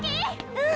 うん！